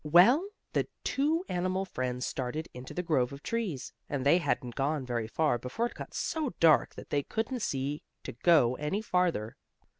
Well, the two animal friends started into the grove of trees, and they hadn't gone very far before it got so dark that they couldn't see to go any farther.